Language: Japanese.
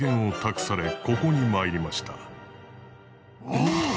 おお！